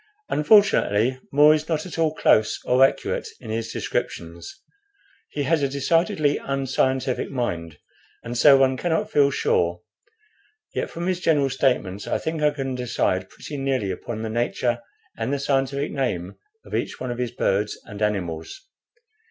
"Unfortunately, More is not at all close or accurate in his descriptions; he has a decidedly unscientific mind, and so one cannot feel sure; yet from his general statements I think I can decide pretty nearly upon the nature and the scientific name of each one of his birds and animals.